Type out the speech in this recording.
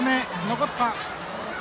残った。